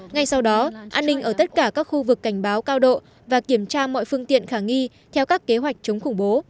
ngay sau đó an ninh ở tất cả các khu vực cảnh báo cao độ và kiểm tra mọi phương tiện khả nghi theo các kế hoạch chống khủng bố